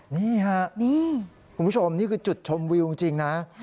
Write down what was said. นี่ค่ะคุณผู้ชมนี่คือจุดชมวิวจริงนะ